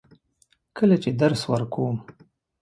کله چې درس ورکوم.